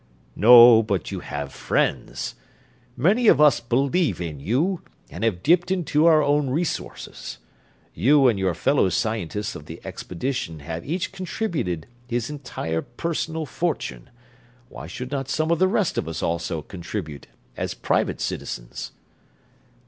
"No, but you have friends. Many of us believe in you, and have dipped into our own resources. You and your fellow scientists of the expedition have each contributed his entire personal fortune; why should not some of the rest of us also contribute, as private citizens?"